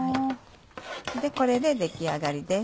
これで出来上がりです。